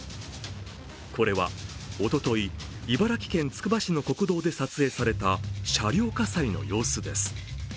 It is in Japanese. これはおととい、茨城県つくば市の国道で撮影された車両火災の様子です。